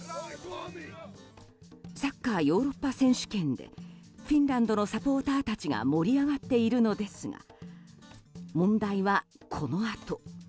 サッカーヨーロッパ選手権でフィンランドのサポーターたちが盛り上がっているのですが問題は、このあと。